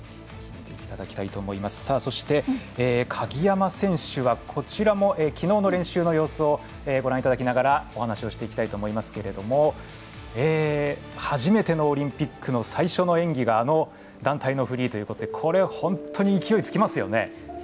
そして鍵山選手はきのうの練習の様子をご覧いただきながらお話をしていきたいと思いますけれども初めてのオリンピックの最初の演技があの団体のフリーということでこれ、本当に勢いつきますよね。